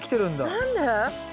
何で？